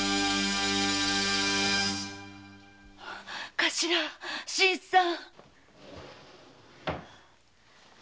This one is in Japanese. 頭新さん。